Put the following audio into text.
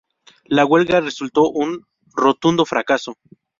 La huelga resultó un rotundo fracaso.